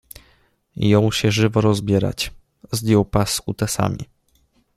Jął się żywo rozbierać. Zdjął pas z kutasami